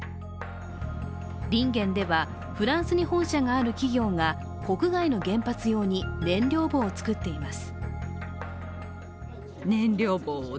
リンゲンではフランスに本社がある企業が国外の原発用に燃料棒を作っています。